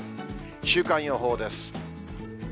週間予報です。